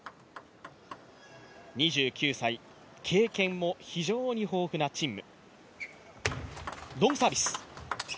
２９歳、経験も非常に豊富な陳夢。